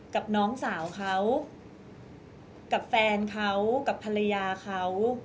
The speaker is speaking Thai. กับน้องสาวเขากับแฟนเขากับภรรยาเขา